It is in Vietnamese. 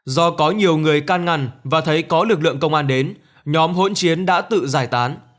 do có nhiều người can ngăn và thấy có lực lượng công an đến nhóm hỗn chiến đã tự giải tán